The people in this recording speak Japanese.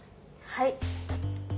はい。